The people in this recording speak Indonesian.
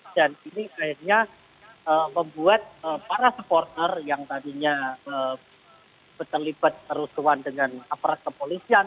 dan ini akhirnya membuat para supporter yang tadinya berkelipat terus terusan dengan aparat kepolisian